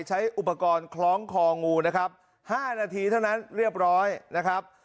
ใช้อุปกรณ์คล้องคองูนะครับ๕นาทีเท่านั้นเรียบร้อยนะครับ